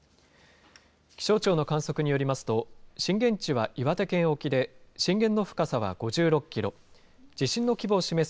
気象庁の観測によりますと、震源地は岩手県沖で、震源の深さは５６キロ、地震の規模を示す